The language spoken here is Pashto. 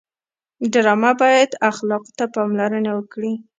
ډرامه باید اخلاقو ته پاملرنه وکړي